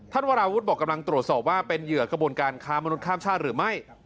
วราวุฒิบอกกำลังตรวจสอบว่าเป็นเหยื่อกระบวนการค้ามนุษย์ข้ามชาติหรือไม่